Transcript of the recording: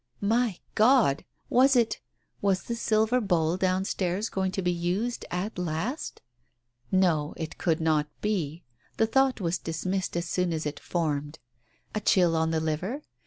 •.. My God ! Was it ? Was the silver bowl down stairs going to be used at last ? No, it could not be. The thought was dismissed as soon as formed. A chill on the liver?